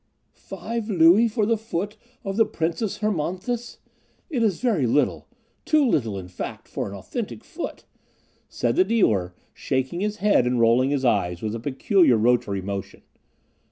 "Five louis for the foot of the Princess Hermonthis! It is very little, too little, in fact, for an authentic foot," said the dealer, shaking his head and rolling his eyes with a peculiar rotary motion.